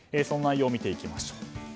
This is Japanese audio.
内容を見ていきましょう。